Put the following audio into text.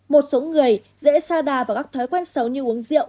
một số người dễ xa đà vào các thói quen xấu như uống rượu